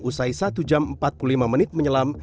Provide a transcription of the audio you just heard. usai satu jam empat puluh lima menit menyelam